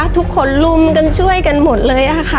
ทุกคนลุมกันช่วยกันหมดเลยค่ะ